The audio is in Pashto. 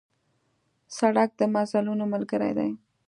سړک د مزلونو ملګری دی.